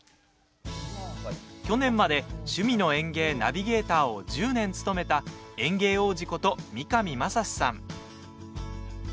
去年まで「趣味の園芸」ナビゲーターを１０年務めた園芸王子こと三上真史さん。